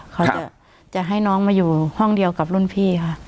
เขาจะให้น้องมาอยู่ห้องเดียวกับรุ่นพี่ค่ะ